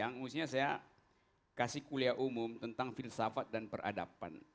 yang mestinya saya kasih kuliah umum tentang filsafat dan peradaban